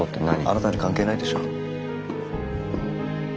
あなたに関係ないでしょう。